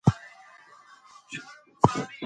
خلک د خوراک په اړه باید پوهه ولري.